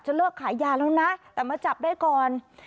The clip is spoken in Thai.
เลิกขายยาแล้วนะแต่มาจับได้ก่อน